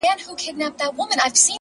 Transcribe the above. سپينه خولگۍ راپسي مه ږغوه;